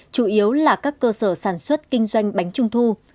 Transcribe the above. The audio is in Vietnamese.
chủ yếu là các cơ sở sản xuất kinh doanh bánh trung thu